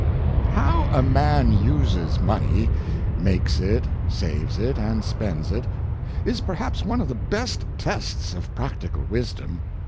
OW a man uses money — makes it, saves it, and spends it — is perhaps one of the best tests of practical wisdom.